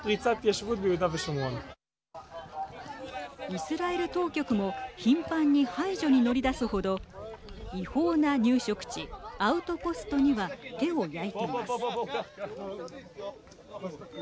イスラエル当局も頻繁に排除に乗り出す程違法な入植地、アウトポストには手をやいています。